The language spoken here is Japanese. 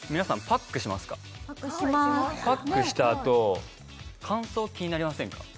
パックしますパックしたあと乾燥気になりませんか？